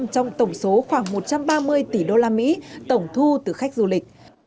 trong tổng số khoảng một trăm ba mươi tỷ usd tổng thu từ khách du lịch